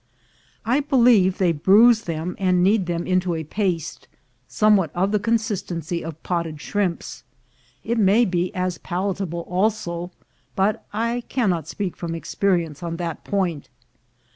I believe they bruise them and knead URSUS HORRIBILIS 181 them into a paste, somewhat of the consistency of potted shrimps; it may be as palatable also, but I can not speak from experience on that point.